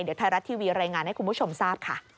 เดี๋ยวไทยรัฐทีวีรายงานให้คุณผู้ชมทราบค่ะ